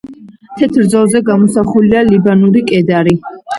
თეთრ ზოლზე გამოსახულია ლიბანური კედარი.